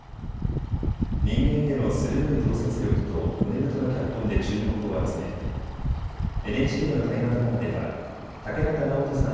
人間への鋭い洞察力と骨太の脚本で注目を集めＮＨＫの大河ドラマでは竹中直人さん